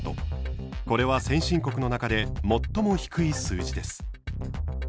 これは先進国の中で最も低い数字です。